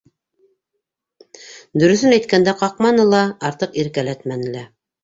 Дөрөҫөн әйткәндә, ҡаҡманы ла, артыҡ иркәләтмәне лә.